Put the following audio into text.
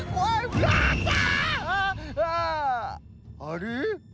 あれ？